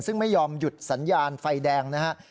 ซึ่งไม่ยอมหยุดสัญญาณไฟแดงนะครับ